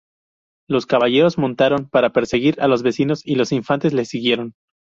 Los caballeros montaron para perseguir a los vencidos y los infantes les siguieron.